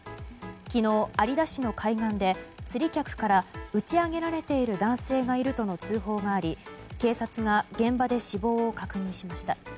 昨日、有田市の海岸で釣り客から打ち揚げられている男性がいるとの通報があり警察が現場で死亡を確認しました。